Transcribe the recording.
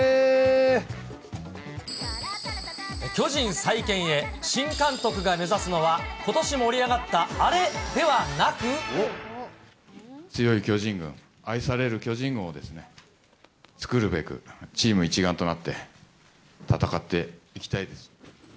巨人再建へ、新監督が目指すのは、強い巨人軍、愛される巨人軍を作るべく、チーム一丸となって戦っていきたいです。